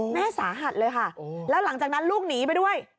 แม่สาหัสเลยค่ะแล้วหลังจากนั้นลูกหนีไปด้วย